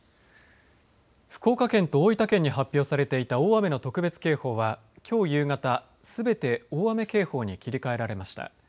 福岡県と大分県に発表されていた大雨の特別警報はきょう夕方、全て大雨警報に切り替えられました。